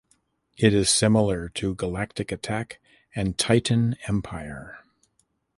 It is similar to "Galactic Attack" and "Titan Empire".